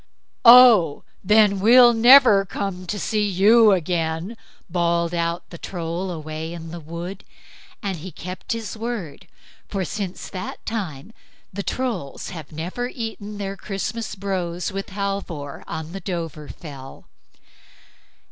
"Oh, then, we'll never come to see you again", bawled out the Troll away in the wood, and he kept his word; for since that time the Trolls have never eaten their Christmas brose with Halvor on the Dovrefell.